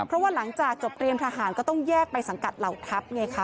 เพราะว่าหลังจากจบเรียมทหารก็ต้องแยกไปสังกัดเหล่าทัพไงคะ